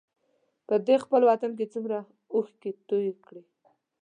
په دې خپل وطن مې څومره اوښکې توی کړې.